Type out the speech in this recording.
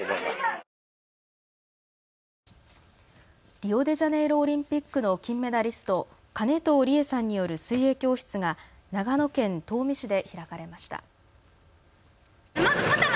リオデジャネイロオリンピックの金メダリスト、金藤理絵さんによる水泳教室が長野県東御市で開かれました。